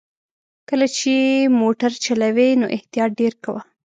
کله چې موټر چلوې نو احتياط ډېر کوه!